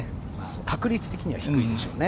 確率的には低いでしょう。